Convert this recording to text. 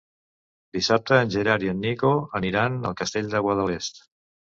Dissabte en Gerard i en Nico aniran al Castell de Guadalest.